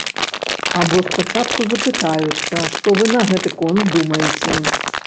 Або спачатку запытаюцца, што вы на гэты конт думаеце.